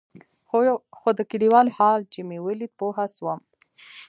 خو د كليوالو حال چې مې ولېد پوه سوم.